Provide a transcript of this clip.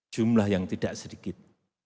jumlah yang tidak sedikit